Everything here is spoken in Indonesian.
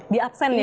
di absen ya mbak